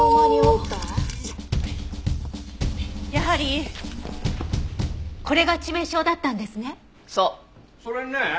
やはりこれが致命傷だったんですね。